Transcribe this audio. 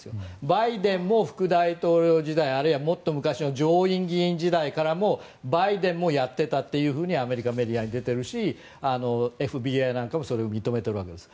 バイデンも副大統領時代あるいはもっと昔の上院議員時代からもバイデンもやっていたとアメリカメディアに出ているしＦＢＩなんかもそれを認めているわけです。